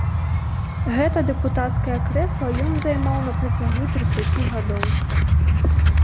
Гэта дэпутацкае крэсла ён займаў на працягу трыццаці гадоў.